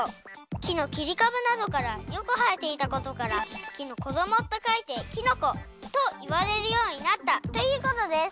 きのきりかぶなどからよくはえていたことから「きのこども」とかいて「きのこ」といわれるようになったということです。